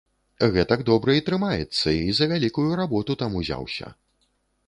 Гэтак добра і трымаецца і за вялікую работу там узяўся.